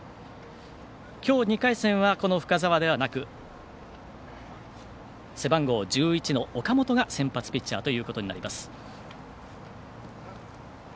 今日、２回戦は深沢ではなく背番号１１の岡本が先発ピッチャーとなります。